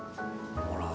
ほら。